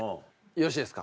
よろしいですか？